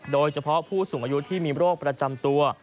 โดยเฉพาะผู้สูงอายุที่มีโรคประจำตัว